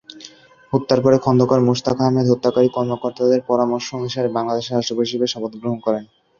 হত্যার পরে, খোন্দকার মোশতাক আহমদ হত্যাকারী কর্মকর্তাদের পরামর্শ অনুসারে বাংলাদেশের রাষ্ট্রপতি হিসাবে শপথ গ্রহণ করেন।